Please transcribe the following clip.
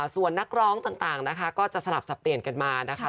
ส่วนนักร้องต่างนะคะก็จะสลับสับเปลี่ยนกันมานะคะ